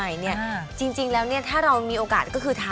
ใช่เนี่ยจริงแล้วเนี่ยถ้าเรามีโอกาสก็คือทำ